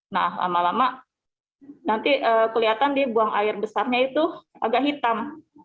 nah lama lama nanti kelihatan dia buang air besarnya itu agak hitam